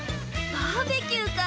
バーベキューか！